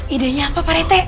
ide nya apa pak rete